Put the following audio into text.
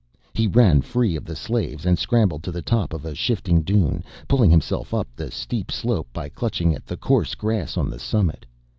He ran free of the slaves and scrambled to the top of a shifting dune, pulling himself up the steep slope by clutching at the coarse grass on the summit.